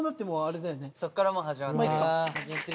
そっからもう始まってる。